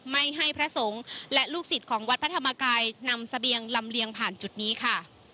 ไม่ให้พระสงฆ์และลูกศิษย์ของวัดพระธรรมกายนำเสบียงลำเลียงผ่านจุดนี้ค่ะ